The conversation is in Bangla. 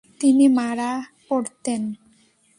তিনি মারা পড়তেন।